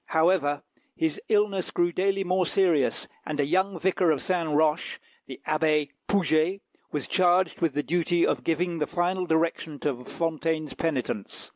However, his illness grew daily more serious, and a young vicar of Saint Roch, the Abbé Poujet, was charged with the duty of giving the final direction to Fontaine's penitence.